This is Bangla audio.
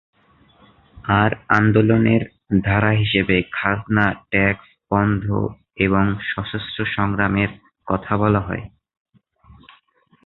আর আন্দোলনের ধারা হিসেবে খাজনা ট্যাক্স বন্ধ এবং সশস্ত্র সংগ্রামের কথা বলা হয়।